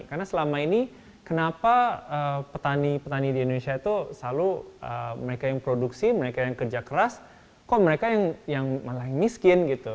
karena selama ini kenapa petani petani di indonesia itu selalu mereka yang produksi mereka yang kerja keras kok mereka yang malah miskin gitu